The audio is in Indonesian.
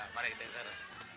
mari kita kesana